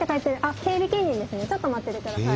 ちょっと待ってて下さい。